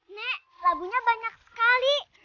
nek labunya banyak sekali